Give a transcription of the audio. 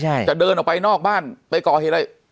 จะเดินออกไปนอกบ้านไปเกาะให้อะไร